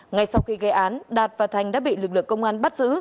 ngay sau khi gây án đạt và thành đã bị lực lượng công an bắt giữ